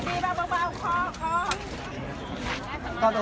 ก็ไม่มีใครกลับมาเมื่อเวลาอาทิตย์เกิดขึ้น